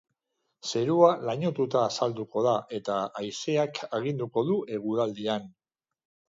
Zerua lainotuta azalduko da eta haizeak aginduko du eguraldian.